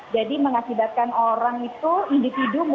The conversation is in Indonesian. jadi mengakibatkan orang itu individualis